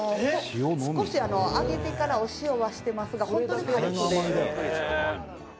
「少し揚げてからお塩はしてますが本当に軽くで」